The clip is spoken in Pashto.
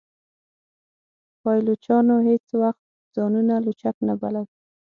پایلوچانو هیڅ وخت ځانونه لوچک نه بلل.